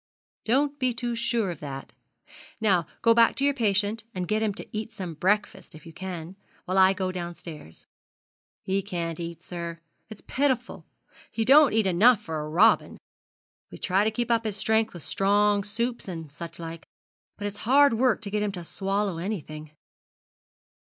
'Don't be too sure of that; and now go back to your patient, and get him to eat some breakfast, if you can, while I go downstairs.' 'He can't eat, sir. It's pitiful; he don't eat enough, for a robin. We try to keep up his strength with strong soups, and such like; but it's hard work to get him to swallow anything.'